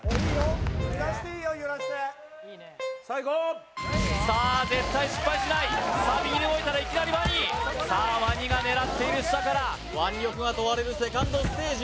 揺らしていいよ揺らして・さあいこうさあ絶対失敗しないさあ右に動いたらいきなりワニさあワニが狙っている下から腕力が問われるセカンドステージ